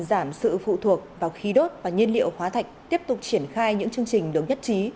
giảm sự phụ thuộc vào khí đốt và nhiên liệu hóa thạch tiếp tục triển khai những chương trình được nhất trí